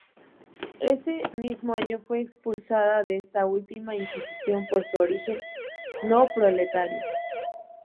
Ese mismo año fue expulsada de esta última institución por su origen no proletario.